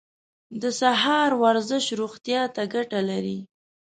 د سهار ورزش روغتیا ته ګټه لري.